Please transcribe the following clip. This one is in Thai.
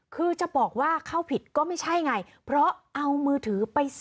คือจะบอกว่าเข้าผิดก็ไม่ใช่ไงเพราะเอามือถือไป